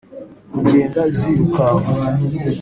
kugenga zirukanka